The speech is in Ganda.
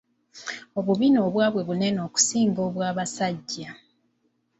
Obubina obwabwe bunene okusinga obw'abasajja.